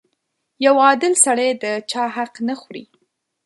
• یو عادل سړی د چا حق نه خوري.